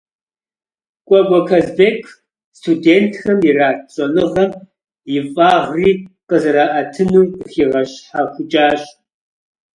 Кӏуэкӏуэ Казбек студентхэм ират щӏэныгъэм и фӏагъри къызэраӏэтынур къыхигъэщхьэхукӏащ.